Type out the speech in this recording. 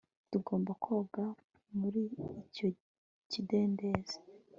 ntugomba koga muri icyo kidendezi